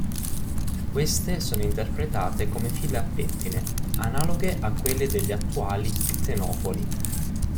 Queste sono interpretate come file a pettine, analoghe a quelle degli attuali ctenofori.